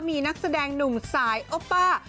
มีนักแสดงหนุ่มสายโอป้า